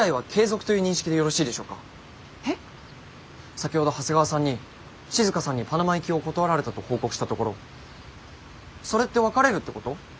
先ほど長谷川さんに静さんにパナマ行きを断られたと報告したところ「それって別れるってこと？